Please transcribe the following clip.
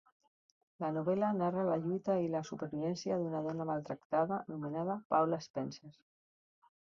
La novel·la narra la lluita i la supervivència d'una dona maltractada anomenada Paula Spencer.